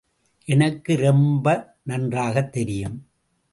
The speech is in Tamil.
எனக்கு ரொம்ப நன்றாகத் தெரியும்.